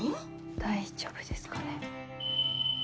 大丈夫ですかね。